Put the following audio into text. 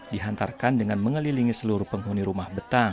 dihantarkan dengan mengelilingi seluruh penghuni rumah betang